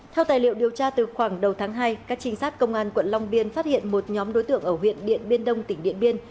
theo tài liệu điều tra từ khoảng đầu tháng hai các trinh sát công an quận long biên phát hiện một nhóm đối tượng ở huyện điện biên đông tỉnh điện biên